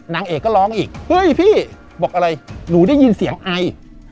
นางเอกก็ร้องอีกเฮ้ยพี่บอกอะไรหนูได้ยินเสียงไอ